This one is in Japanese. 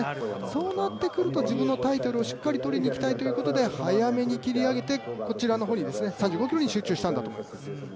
そうなってくると自分のタイトルをしっかり取りにいきたいということで早めに切り上げて、こちらの方に３５ｋｍに集中したんだと思います。